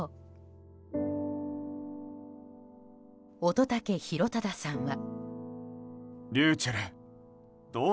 乙武洋匡さんは。